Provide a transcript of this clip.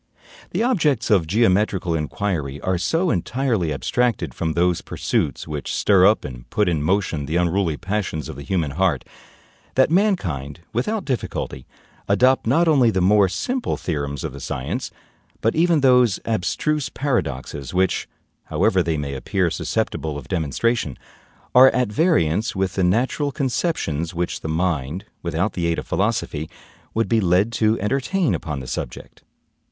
The objects of geometrical inquiry are so entirely abstracted from those pursuits which stir up and put in motion the unruly passions of the human heart, that mankind, without difficulty, adopt not only the more simple theorems of the science, but even those abstruse paradoxes which, however they may appear susceptible of demonstration, are at variance with the natural conceptions which the mind, without the aid of philosophy, would be led to entertain upon the subject.